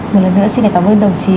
một lần nữa xin cảm ơn đồng chí